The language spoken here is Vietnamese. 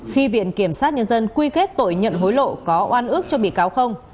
khi viện kiểm sát nhân dân quy kết tội nhận hối lộ có oan ước cho bị cáo không